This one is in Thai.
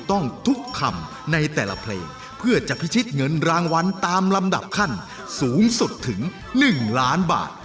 ต้องทุกคำในแต่ละเพลงเพื่อจะพิชิตเงินรางวัลตามลำดับขั้นสูงสุดถึง๑ล้านบาท